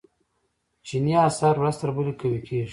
چیني اسعار ورځ تر بلې قوي کیږي.